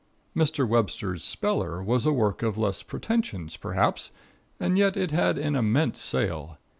Mr. Webster's "Speller" was a work of less pretentions, perhaps, and yet it had an immense sale.